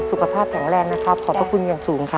สุขภาพแข็งแรงนะครับขอบพระคุณอย่างสูงครับ